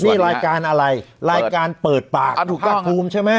นี่รายการอะไรรายการเปิดปากคุณภาคภูมิใช่ไหม